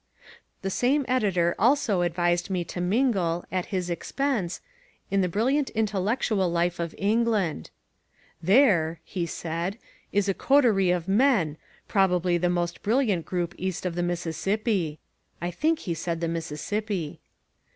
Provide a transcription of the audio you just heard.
The same editor also advised me to mingle, at his expense, in the brilliant intellectual life of England. "There," he said, "is a coterie of men, probably the most brilliant group East of the Mississippi." (I think he said the Mississippi).